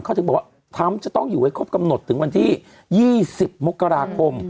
เขาถึงบอกว่าทรัมป์จะต้องอยู่ไว้ครบกำหนดถึงวันที่๒๐มกราคม